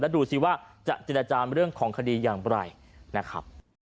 แล้วดูสิว่าจะจินตราจารย์เรื่องของคดีอย่างไรนะครับ